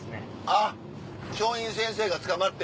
あっ松陰先生が捕まって。